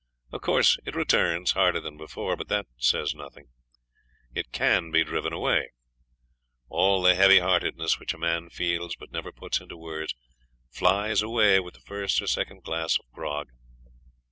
Of course it returns, harder than before, but that says nothing. It CAN be driven away. All the heavy heartedness which a man feels, but never puts into words, flies away with the first or second glass of grog.